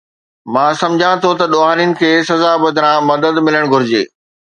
مان سمجهان ٿو ته ڏوهارين کي سزا بدران مدد ملڻ گهرجي